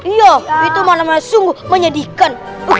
iya itu mana mana sungguh menyedihkan